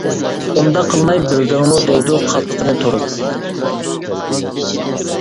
ئۇنداق قىلما بىلدىڭمۇ دەيدۇ قاپىقىنى تۈرۈپ.